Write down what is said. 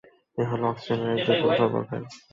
এ হলো অক্সিজেনের এক বিপুল সরবরাহকারী।